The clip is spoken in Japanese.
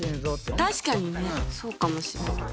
確かにねそうかもしれない。